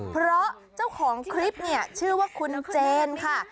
เพราะเจ้าของคลิปเนี่ยชื่อว่าคุณเจนค่ะ